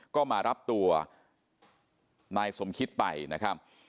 ก็มารับตัวนายสมคิตไปนะครับ